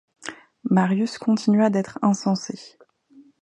Marius continua d'être insensé.